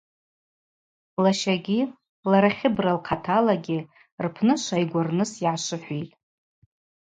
Лащагьи лара Хьыбра лхъаталагьи рпны швайгварныс йгӏашвыхӏвитӏ.